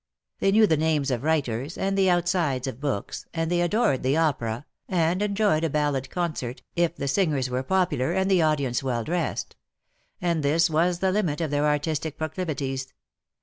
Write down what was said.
They knew the names of w^riters^ and the outsides of books, and they adored the opera^ and enjoyed a ballad concert, if the singers were popular, and the audience well dressed; and this was the limit of their artistic proclivities.